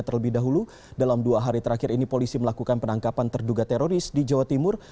terlebih dahulu dalam dua hari terakhir ini polisi melakukan penangkapan terduga teroris di jawa timur